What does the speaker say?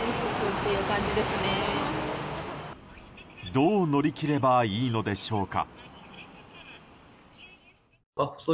どう乗り切ればいいのでしょうか。